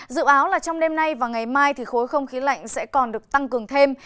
dự báo là trong đêm nay và ngày mai thì khối không khí lạnh sẽ còn được tăng cường thêm